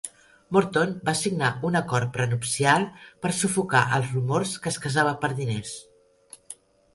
Morton va signar un acord prenupcial per sufocar els rumors que es casava per diners.